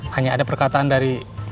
hanya ada perkataan dari